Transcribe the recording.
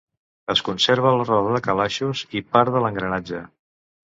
Es conserva la roda de calaixos i part de l'engranatge.